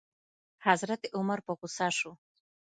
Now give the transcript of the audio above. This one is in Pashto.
حضرت عمر په غوسه شو.